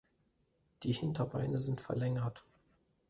Die Hinterbeine sind verlängert.